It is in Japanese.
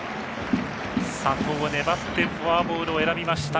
佐藤、粘ってフォアボールを選びました。